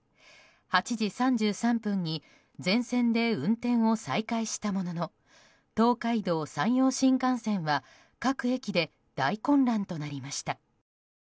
８時３３分に全線で運転を再開したものの東海道・山陽新幹線は各駅で大混乱となりました。